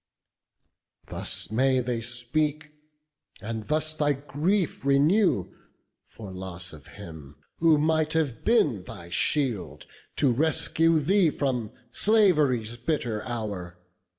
Thus may they speak; and thus thy grief renew For loss of him, who might have been thy shield To rescue thee from slav'ry's bitter hour.